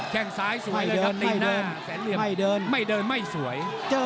แค่งซ้ายสวยเดินตีหน้าแสนเหลี่ยมไม่เดินไม่สวย